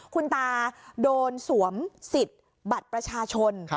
คุณตาโดนสวมสิทธิ์บัตรประชาชน